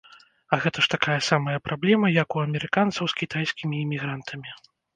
А гэта ж такая самая праблема, як у амерыканцаў з кітайскімі імігрантамі.